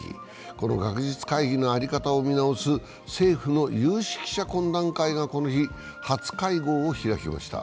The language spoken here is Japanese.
この学術会議のあり方を見直す政府の有識者懇談会がこの日、初会合を開きました。